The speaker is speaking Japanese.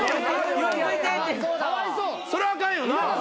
そりゃあかんよな。